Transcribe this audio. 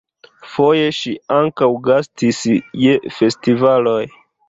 Foje ŝi ankaŭ gastis je festivaloj.